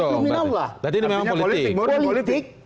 berarti memang politik dong